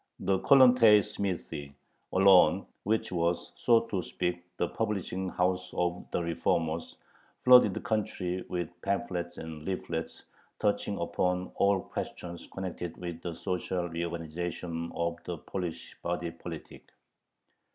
The "Kollontay smithy" alone, which was, so to speak, the publishing house of the reformers, flooded the country with pamphlets and leaflets touching upon all the questions connected with the social reorganization of the Polish body politic.